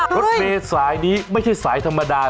รถเมย์สายนี้ไม่ใช่สายธรรมดา